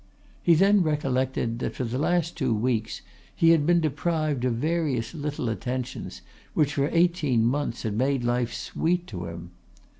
He then recollected that for the last two weeks he had been deprived of various little attentions which for eighteen months had made life sweet to him.